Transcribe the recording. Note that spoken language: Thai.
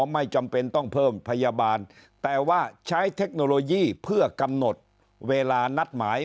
ไม่จำเป็นต้องเพิ่มพยาบาลแต่ว่าใช้เทคโนโลยีเพื่อกำหนดเวลานัดหมาย